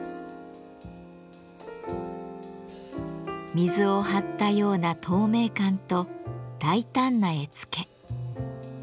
水を張ったような透明感と大胆な絵付け。